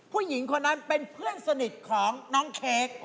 ผู้หญิงคนนั้นเป็นเพื่อนสนิทของน้องเค้ก